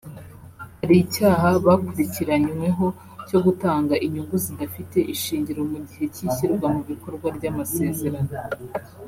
hari icyaha bakurikiranyweho cyo gutanga inyungu zidafite ishingiro mu gihe cy’ishyirwa mu bikorwa ry’amasezerano